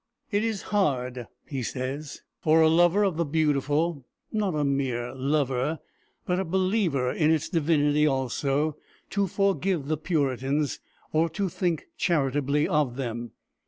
"It is hard," he says, "for a lover of the beautiful not a mere lover, but a believer in its divinity also to forgive the Puritans, or to think charitably of them.